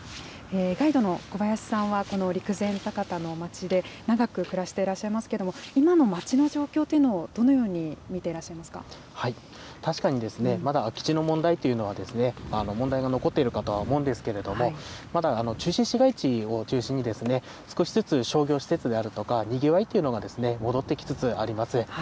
ガイドの小林さんはこの陸前高田の町で長く暮らしていらっしゃいますけれども、今の町の状況というのをどのように見ていらっしゃ確かに、まだ空き地の問題というのは、問題が残っているかとは思うんですけれども、まだ中心市街地を中心に少しずつ商業施設であるとかにぎわいっていうのが戻ってきつつあります。